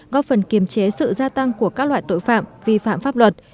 góp phần kiềm chế sự gia tăng của các loại tội phạm vi phạm pháp luật